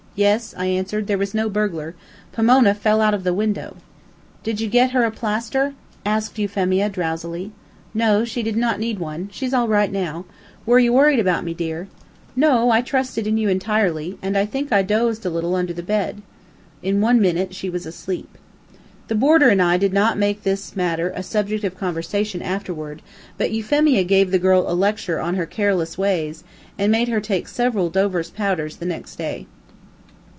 "Yes," I answered. "There was no burglar. Pomona fell out of the window." "Did you get her a plaster?" asked Euphemia, drowsily. "No, she did not need one. She's all right now. Were you worried about me, dear?" "No, I trusted in you entirely, and I think I dozed a little under the bed." In one minute she was asleep. The boarder and I did not make this matter a subject of conversation afterward, but Euphemia gave the girl a lecture on her careless ways, and made her take several Dover's powders the next day.